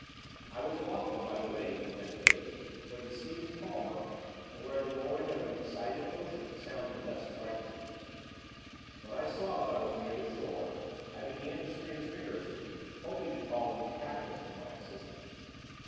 I was wafted by the waves within a cape, where the sea was calmer, and where the roaring of the excited ocean sounded less frightfully. When I saw that I was near the shore, I began to scream vigorously, hoping to call the inhabitants to my assistance.